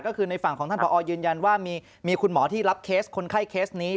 ก็คือในฝั่งของท่านผอยืนยันว่ามีคุณหมอที่รับเคสคนไข้เคสนี้